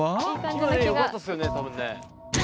今ねよかったっすよね多分ね。